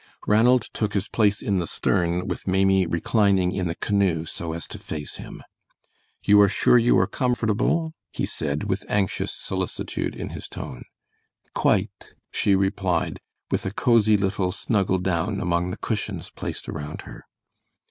Ranald took his place in the stern with Maimie reclining in the canoe so as to face him. "You are sure you are comfortable," he said, with anxious solicitude in his tone. "Quite," she replied, with a cosy little snuggle down among the cushions placed around her.